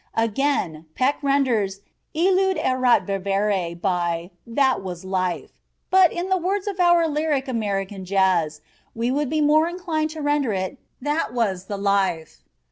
'" Again, Peck renders "illud erat vivere" by "that was life," but, in the words of our lyric American jazz, we would be more inclined to render it "that was the life."